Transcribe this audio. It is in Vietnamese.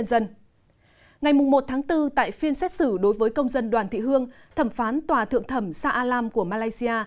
ngày một tháng bốn tại phiên xét xử đối với công dân đoàn thị hương thẩm phán tòa thượng thẩm sa alam của malaysia